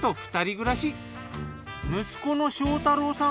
息子の章太郎さん